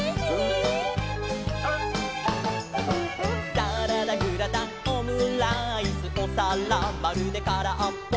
「サラダグラタンオムライスおさらまるでからっぽ」